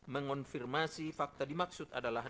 mengonfirmasi fakta dimaksud adalah